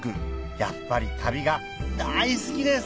やっぱり旅が大好きです